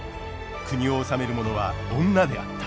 国を治める者は女であった。